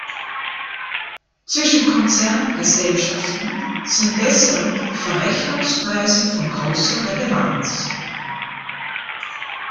Zwischen Konzerngesellschaften sind deshalb die Verrechnungspreise von großer Relevanz.